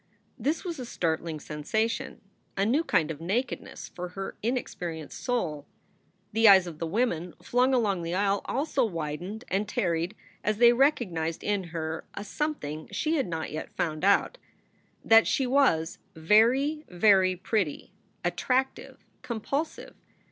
This was a startling sensation, a new kind of nakedness for her inexperienced soul. The eyes of the women flung along the aisle also widened and tarried as they recognized in her a something she had not yet found out : that she was very, very pretty attrac tive, compulsive.